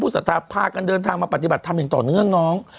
สัทธาพากันเดินทางมาปฏิบัติธรรมอย่างต่อเนื่องน้อง